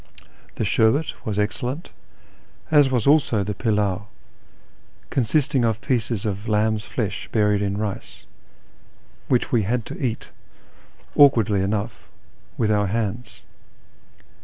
The sherbet was excellent, as was also the pilmv (consisting of pieces of lamb's flesh buried in rice), which we had to eat, awkwardly enough, with our hands.